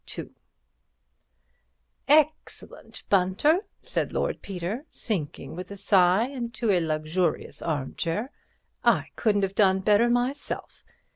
II "Excellent, Bunter," said Lord Peter, sinking with a sigh into a luxurious armchair. "I couldn't have done better myself.